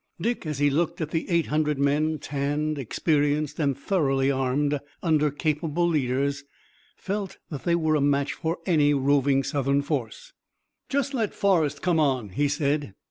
Dick, as he looked at the eight hundred men, tanned, experienced and thoroughly armed, under capable leaders, felt that they were a match for any roving Southern force. "Just let Forrest come on," he said.